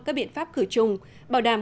các biện pháp khử trùng bảo đảm